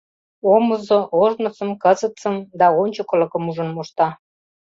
Омызо ожнысым, кызытсым да ончыклыкым ужын мошта.